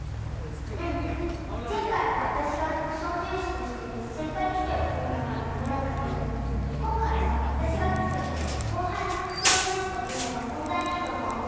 うん前回は私が副操縦士として先輩機長と組んだからダメだったけど今回は私が機長で後輩の副操縦士と組めば問題ないと思う。